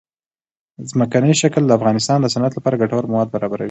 ځمکنی شکل د افغانستان د صنعت لپاره ګټور مواد برابروي.